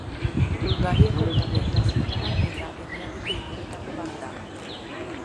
Hungariako plater nazionala eta herrialdeko ikurretako bat da.